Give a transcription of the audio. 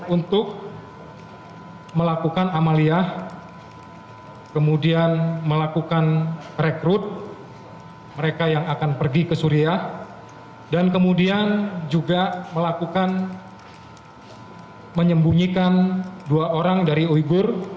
untuk melakukan amaliyah kemudian melakukan rekrut mereka yang akan pergi ke suriah dan kemudian juga melakukan menyembunyikan dua orang dari uyghur